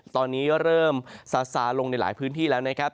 ตอนนี้เริ่มซาซาลงในหลายพื้นที่แล้วนะครับ